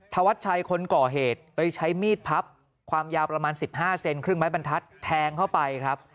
ธวัชชัยคนก่อเหตุไปใช้มีดพับความยาวประมาณ๑๕เซนครึ่งไม้บรรทัดแทงเข้าไปครับ